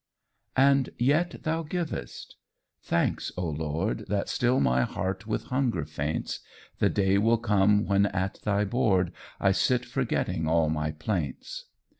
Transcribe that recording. And yet thou givest: thanks, O Lord, That still my heart with hunger faints! The day will come when at thy board I sit forgetting all my plaints.